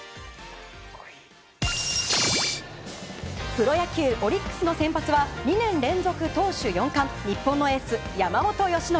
プロ野球、オリックスの先発は２年連続投手４冠日本のエース、山本由伸。